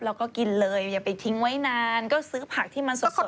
เราก็กินเลยอย่าไปทิ้งไว้นานก็ซื้อผักที่มันสด